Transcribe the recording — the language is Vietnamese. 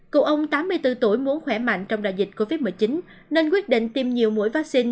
cụ ông tám mươi bốn tuổi muốn khỏe mạnh trong đại dịch covid một mươi chín nên quyết định tiêm nhiều mũi vaccine